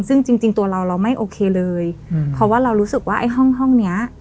ซึ่งจริงตัวเราเราไม่โอเคเลยเพราะว่าเรารู้สึกว่าไอ้ห้องเนี้ย